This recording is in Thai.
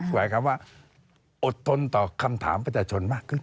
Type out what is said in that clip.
หมายความว่าอดทนต่อคำถามประชาชนมากขึ้น